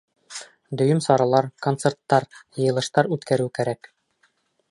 Дөйөм саралар, концерттар, йыйылыштар үткәреү кәрәк.